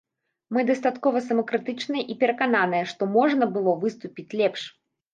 Мы дастаткова самакрытычныя і перакананыя, што можна было выступіць лепш.